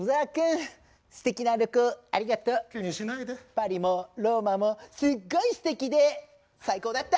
パリもローマもすっごいすてきで最高だった！